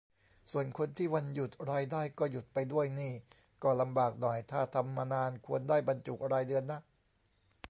ส่วนคนที่วันหยุดรายได้ก็หยุดไปด้วยนี่ก็ลำบากหน่อย ถ้าทำมานานควรได้บรรจุรายเดือนนะ